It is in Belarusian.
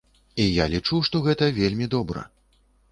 І я лічу, што гэта вельмі добра.